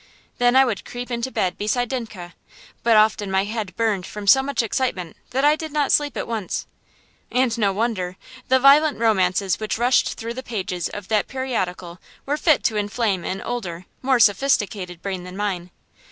Then I would creep into bed beside Dinke, but often my head burned so from excitement that I did not sleep at once. And no wonder. The violent romances which rushed through the pages of that periodical were fit to inflame an older, more sophisticated brain than mine.